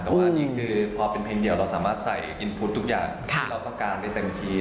แต่ว่านี่คือพอเป็นเพลงเดียวเราสามารถใส่อินพุธทุกอย่างที่เราต้องการได้เต็มที่